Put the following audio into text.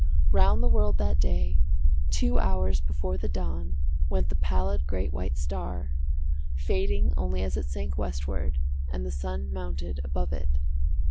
Round the world that day, two hours before the dawn, went the pallid great white star, fading only as it sank westward and the sun mounted above it.